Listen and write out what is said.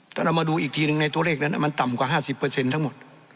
ถ้าเรามาดูอีกทีหนึ่งในตัวเลขนั้นมันต่ำกว่าห้าสิบเปอร์เซ็นต์ทั้งหมด